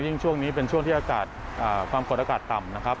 ยิ่งช่วงนี้เป็นช่วงที่ความคนอากาศต่ำนะครับ